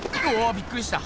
びっくりした。